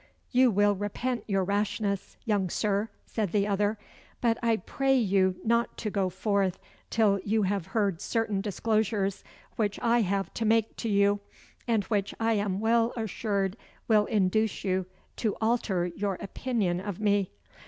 "You will repent your rashness, young Sir," said the other; "but I pray you not to go forth till you have heard certain disclosures which I have to make to you, and which I am well assured will induce you to alter your opinion of me."